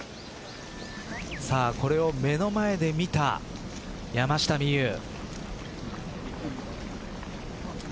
これを目の前で見た山下美夢有。